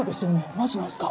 マジなんすか？